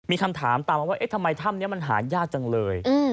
มีคำถามตามมาว่าเอ๊ะทำไมถ้ำนี้มันหายากจังเลย